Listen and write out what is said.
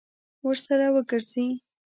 ورسره وګرځي.